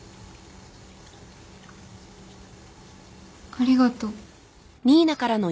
ありがとう。